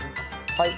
はい。